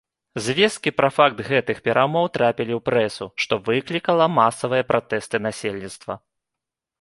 Звесткі пра факт гэтых перамоў трапілі ў прэсу, што выклікала масавыя пратэсты насельніцтва.